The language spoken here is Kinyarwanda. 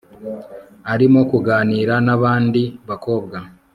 arimo kuganira nabandi bakobwa